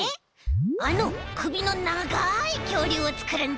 あのくびのながいきょうりゅうをつくるんだ！